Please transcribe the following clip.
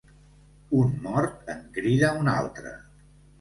Un mort en crida un altre.